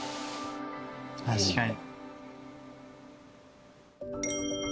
確かに。